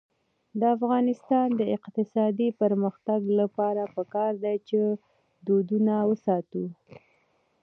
د افغانستان د اقتصادي پرمختګ لپاره پکار ده چې دودونه وساتو.